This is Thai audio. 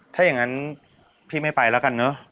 ถ้าอย่างนั้นพี่ไม่ไปแล้วกันเนอะ